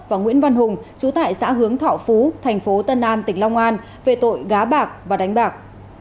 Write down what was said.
và nguyễn văn hùng chú tại xã hướng thọ phú thành phố tân an tỉnh long an về tội gá bạc và đánh bạc